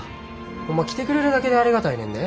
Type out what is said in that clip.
ホンマ来てくれるだけでありがたいねんで。